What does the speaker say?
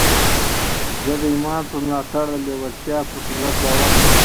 زه د ايمان پر ملاتړ د لېوالتیا پر قدرت باور لرم.